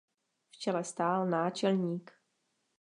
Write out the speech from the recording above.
V čele stál náčelník.